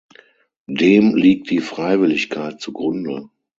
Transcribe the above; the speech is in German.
Dem liegt die Freiwilligkeit zugrunde.